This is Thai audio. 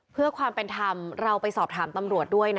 เพื่อความเป็นธรรมเราไปสอบถามตำรวจด้วยนะ